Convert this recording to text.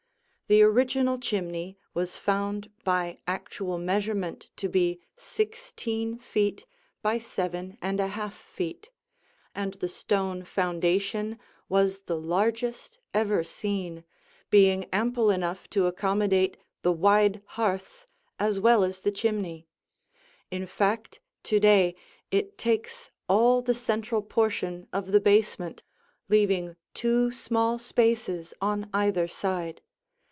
The original chimney was found by actual measurement to be sixteen feet by seven and a half feet, and the stone foundation was the largest ever seen, being ample enough to accommodate the wide hearths as well as the chimney. In fact, to day it takes all the central portion of the basement, leaving two small spaces on either side.